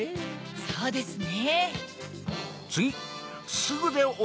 そうですね。